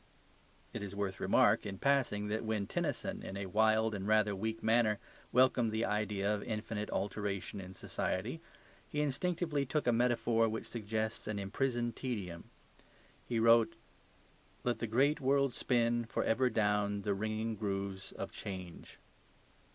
It is worth remark, in passing, that when Tennyson, in a wild and rather weak manner, welcomed the idea of infinite alteration in society, he instinctively took a metaphor which suggests an imprisoned tedium. He wrote "Let the great world spin for ever down the ringing grooves of change."